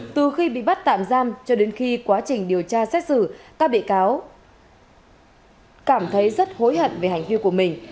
từ khi bị bắt tạm giam cho đến khi quá trình điều tra xét xử các bị cáo cảm thấy rất hối hận về hành vi của mình